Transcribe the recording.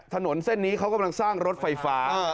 ถนนเส้นนี้เขากำลังสร้างรถไฟฟ้า